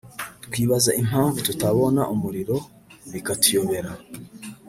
Twibaza impamvu tutabona umuriro bikatuyobera